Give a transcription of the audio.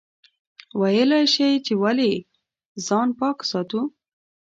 ویلای شئ چې ولې ځان پاک ساتو؟